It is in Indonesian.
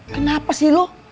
kenapa sih lu